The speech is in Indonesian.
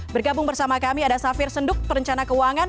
bergabung bersama kami ada safir senduk perencana keuangan